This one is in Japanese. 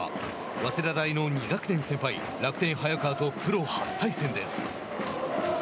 早稲田大の２学年先輩楽天、早川とプロ初対戦です。